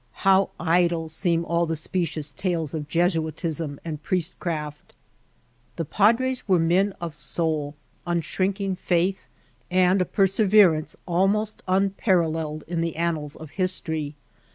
How idle seem all the specious tales of Jesuitism and priestcraft. The Padres were men of soul, unshrinking faith, and a per severance almost unparalleled in the annals of history.